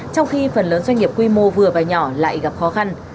trong khi phần lớn doanh nghiệp quy mô vừa và nhỏ lại gặp khó khăn